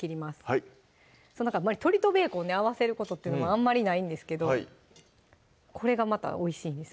はいなんか鶏とベーコンね合わせることってあんまりないんですけどこれがまたおいしいんです